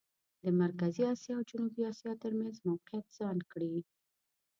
د مرکزي اسیا او جنوبي اسیا ترمېنځ موقعیت ځان کړي.